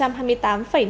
đạt hai tỷ usd